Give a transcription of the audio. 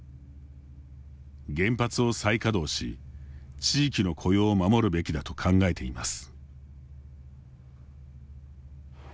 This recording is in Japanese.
原発を再稼働し、地域の雇用を守るべきだと考えています。